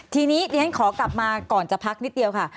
ทีนี้เรียนขอกลับมาก่อนจะพักนิดเดียวค่ะ